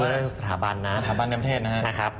คือสถาบันแล้วสถาบันของประเทศ